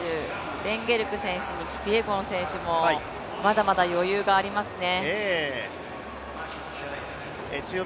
レンゲルク選手、キピエゴン選手もまだまだ余裕がありますね。